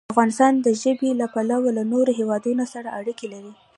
افغانستان د ژبې له پلوه له نورو هېوادونو سره اړیکې لري.